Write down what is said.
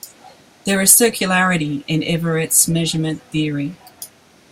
There is circularity in Everett's measurement theory.